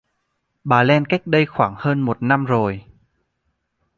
Bà len cách đây khoảng hơn một năm rồi